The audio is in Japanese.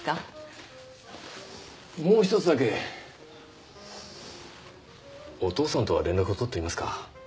もう１つだけお父さんとは連絡を取っていますか？